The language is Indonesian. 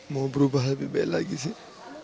mau berubah lebih baik lagi sih